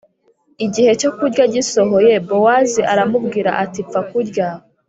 Igihe cyo kurya gisohoye Bowazi aramubwira ati mfa kurya